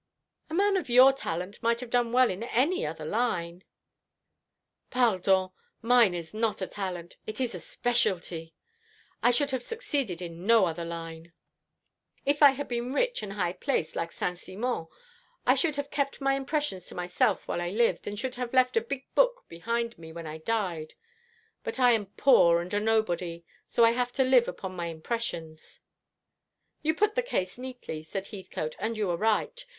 "A man of your talent might have done well in any other line " "Pardon; mine is not a talent. It is a specialty. I should have succeeded in no other line. If I had been rich and high placed, like Saint Simon, I should have kept my impressions to myself while I lived, and should have left a big book behind me when I died. But I am poor and a nobody, so I have had to live upon my impressions." "You put the case neatly," said Heathcote, "and you are right.